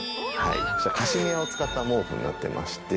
カシミヤを使った毛布になってまして。